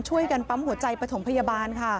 ช่วยกันปั๊มหัวใจประถงพยาบาล